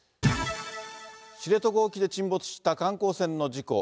知床沖で沈没した観光船の事故。